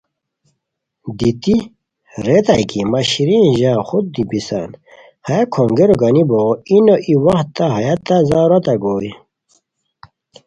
دیتی ریتائے کی مہ شیرین ژاؤ خود دی بیسان، ہیہ کھونگیرو گانی بوغے، ای نو ای وختہ ہیہ تہ ضرورتہ گوئے